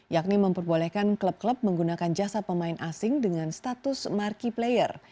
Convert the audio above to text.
yakni memperbolehkan klub klub menggunakan jasa pemain asing dengan status marquee player